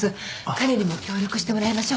彼にも協力してもらいましょう。